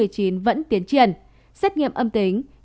tiến triển xét nghiệm âm tính